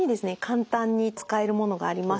簡単に使えるものがあります。